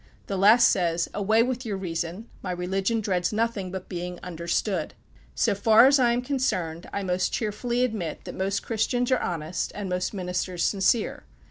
The last says, "Away with your reason, my religion dreads nothing but being understood." So far as I am concerned I most cheerfully admit that most Christians are honest, and most ministers sincere.